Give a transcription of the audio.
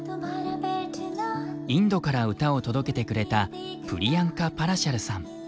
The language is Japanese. インドから歌を届けてくれたプリヤンカ・パラシャルさん。